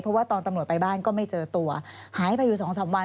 เพราะว่าตอนตำรวจไปบ้านก็ไม่เจอตัวหายไปอยู่สองสามวัน